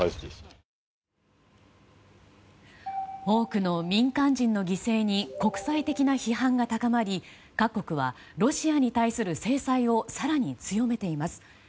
多くの民間人の犠牲に国際的な批判が高まり各国はロシアに対する制裁を更に強めています。